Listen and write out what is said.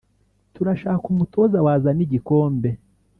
turashaka umutoza wazana igikombe